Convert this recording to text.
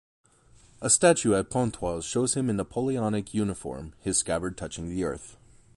A statue at Pontoise shows him in Napoleonic uniform, his scabbard touching the earth.